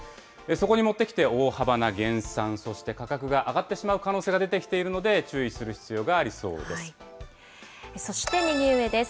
そこに持ってきて大幅な減産、そして価格が上がってしまう可能性が出てきているので、注意する必そして右上です。